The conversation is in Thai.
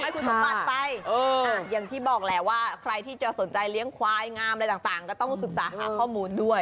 ให้คุณสมบัติไปอย่างที่บอกแหละว่าใครที่จะสนใจเลี้ยงควายงามอะไรต่างก็ต้องศึกษาหาข้อมูลด้วย